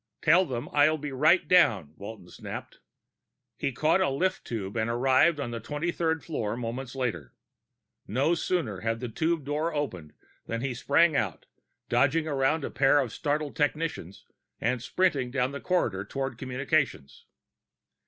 "Tell them I'll be right down," Walton snapped. He caught a lift tube and arrived on the twenty third floor moments later. No sooner had the tube door opened than he sprang out, dodging around a pair of startled technicians, and sprinted down the corridor toward communications.